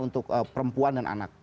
untuk perempuan dan anak